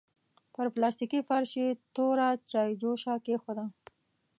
پر پلاستيکي فرش يې توره چايجوشه کېښوده.